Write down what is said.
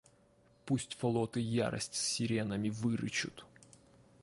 Пусть флоты ярость сиренами вырычут!